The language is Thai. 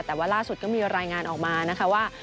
แต่ว่าล่าสุดก็มีรายงานออกมานะคะว่า